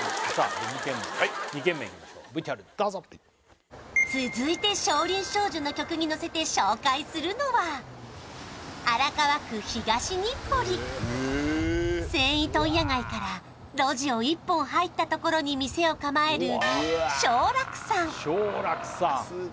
２軒目２軒目いきましょうＶＴＲどうぞ続いて「少林少女」の曲にのせて紹介するのは荒川区東日暮里繊維問屋街から路地を一本入ったところに店を構える勝楽さん